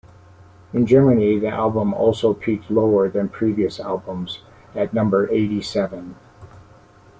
In Germany the album also peaked lower than previous albums, at number eighty-seven.